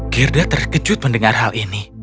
girda terkejut mendengar hal ini